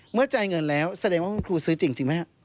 จ่ายเงินแล้วแสดงว่าคุณครูซื้อจริงไหมฮะ